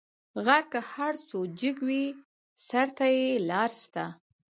غر که هر څو جګ وي؛ سر ته یې لار سته.